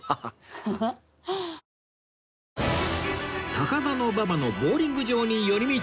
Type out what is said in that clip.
高田馬場のボウリング場に寄り道中